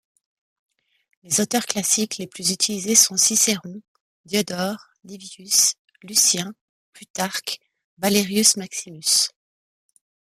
Les auteurs classiques les plus utilisés sont Cicéron, Diodore, Livius, Lucien, Plutarque, Valerius Maximus.